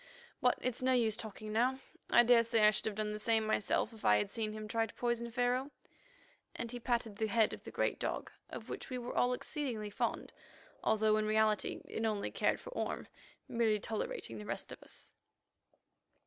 But it's no use talking now, and I daresay I should have done the same myself if I had seen him try to poison Pharaoh," and he patted the head of the great dog, of which we were all exceedingly fond, although in reality it only cared for Orme, merely tolerating the rest of us.